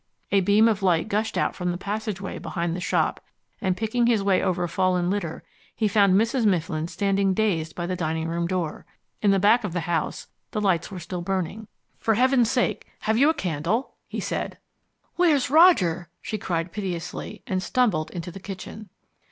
A beam of light gushed out from the passageway behind the shop, and picking his way over fallen litter he found Mrs. Mifflin standing dazed by the dining room door. In the back of the house the lights were still burning. "For heaven's sake, have you a candle?" he said. "Where's Roger?" she cried piteously, and stumbled into the kitchen.